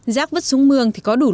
rác vứt xuống mương thì không thể bỏ ra